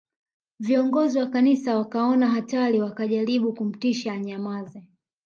Viongozi wa Kanisa wakaona hatari wakajaribu kumtisha anyamaze